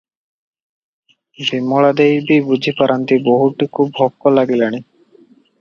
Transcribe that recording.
ବିମଳା ଦେଈ ବି ବୁଝି ପାରନ୍ତି ବୋହୂଟିକୁ ଭୋକ ଲାଗିଲାଣି ।